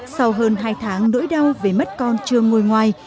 sau hơn hai tháng nỗi đau về mất con chưa ngồi ngoài